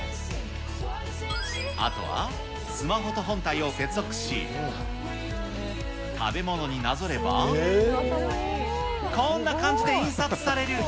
あとはスマホと本体を接続し、食べ物になぞれば、こんな感じで印刷される。